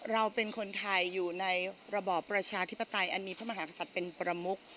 เราเป็นคนไทยอยู่ในระบอบประชาธิปไตยอันมีพระมหากษัตริย์เป็นประมุก